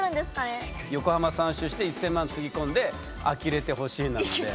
「横浜３周して１，０００万つぎ込んであきれてほしい」なので。